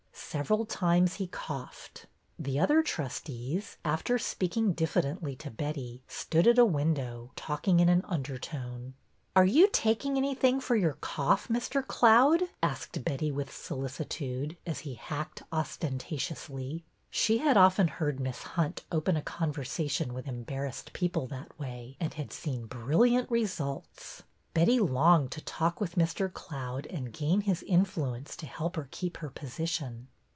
Several times he coughed. The other trustees, after speaking diffidently to Betty, stood at a window, talking in an undertone. Are you taking anything for your cough, Mr. Cloud?" asked Betty, with solicitude, as he hacked ostentatiously. She had often heard Miss Hunt open a con versation with embarrassed people that way and had seen brilliant results. Betty longed to talk with Mr. Cloud and gain his influence to help her keep her position.